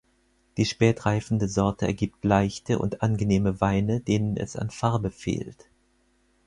Die spätreifende Sorte ergibt leichte und angenehme Weine, denen es an Farbe fehlt.